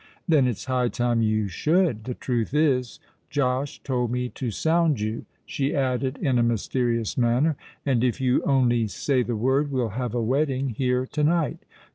"Then it's high time you should. The truth is, Josh told me to sound you," she added in a mysterious manner; "and if you only say the word, we'll have a wedding here to night.